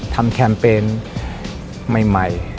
ทำแคมเปญใหม่